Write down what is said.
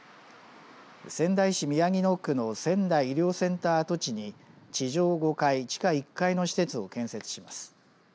仙台市宮城野区の仙台医療センター跡地に地上５階、地下１階の施設を建設します。